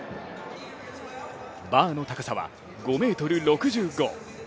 バーの高さは５ｍ６５。